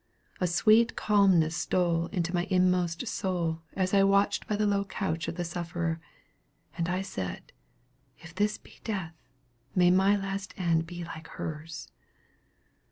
A sweet calmness stole into my inmost soul, as I watched by the low couch of the sufferer; and I said, "If this be death, may my last end be like hers."